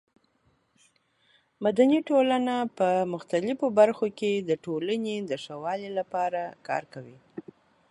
مدني ټولنه په مختلفو برخو کې د ټولنې د ښه والي لپاره کار کوي.